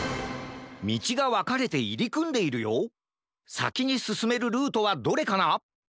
さきにすすめるルートはどれかな？